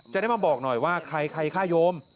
จะได้มาบอกหน่อยว่าใครฆ่าโยม